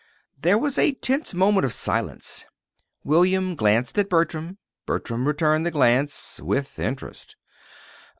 There was a tense moment of silence. William glanced at Bertram; Bertram returned the glance with interest.